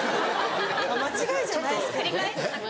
間違いじゃないですけどね。